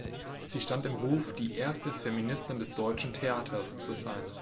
Sie stand im Ruf, die „erste Feministin des deutschen Theaters“ zu sein.